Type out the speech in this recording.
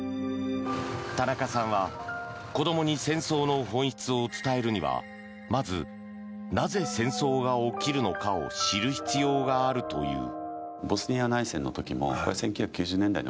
田中さんは子どもに戦争の本質を伝えるにはまず、なぜ戦争が起きるのかを知る必要があるという。